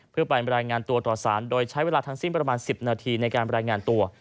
เพื่อไปรายงานตัวต่อสารโดยใช้เวลาทั้งสิ้นประมาณ๑๐นาทีในการรายงานตัว